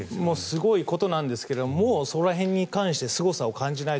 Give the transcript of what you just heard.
すごいことですがもうそこら辺に関してはすごさを感じない。